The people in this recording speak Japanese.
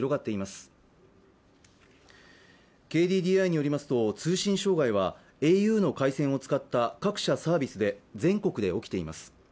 ＫＤＤＩによりますと、通信障害はａｕの回線を使った各社サービスで全国で起きています。